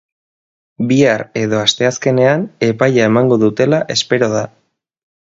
Bihar edo asteazkenean epaia emango dutela espero da.